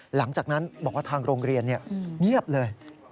หลังจากนั้นบอกว่าทางโรงเรียนเงียบเลย